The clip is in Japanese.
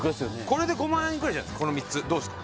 これで５万円ぐらいじゃないっすかこの３つどうですか？